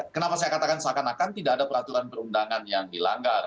kenapa saya katakan seakan akan tidak ada peraturan perundangan yang dilanggar